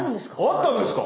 あったんですか！